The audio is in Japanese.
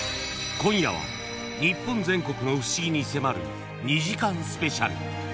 ［今夜は日本全国の不思議に迫る２時間スペシャル］